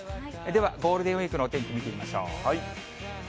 ではゴールデンウィークのお天気、見てみましょう。